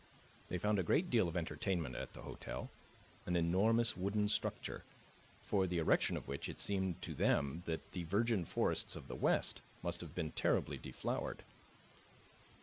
They found a great deal of entertainment at the hotel, an enormous wooden structure, for the erection of which it seemed to them that the virgin forests of the West must have been terribly deflowered.